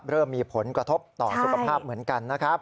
เริ่มมีผลกระทบต่อสุขภาพเหมือนกันนะครับ